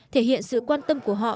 thể hiện sự quan tâm của họ